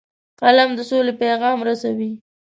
قلم د سولې پیغام رسوي